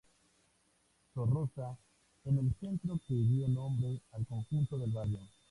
Zorroza: Es el centro que dio nombre al conjunto del barrio.